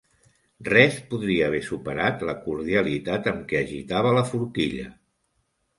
Res podria haver superat la cordialitat amb què agitava la forquilla.